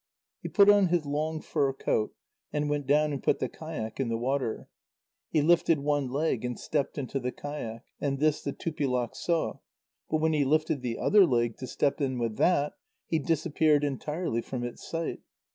He put on his long fur coat, and went down and put the kayak in the water. He lifted one leg and stepped into the kayak, and this the Tupilak saw, but when he lifted the other leg to step in with that, he disappeared entirely from its sight.